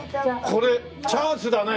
これチャンスだね。